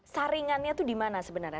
saringannya itu dimana sebenarnya